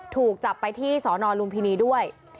ถูกจับไปที่สนลุมพินีด้วย